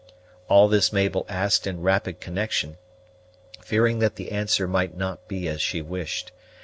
All this Mabel asked in rapid connection, fearing that the answer might not be as she wished.